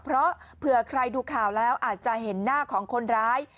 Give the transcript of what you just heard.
เพราะเผื่อใครดูข่าวแล้วอาจจะเห็นหน้าของคนร้าย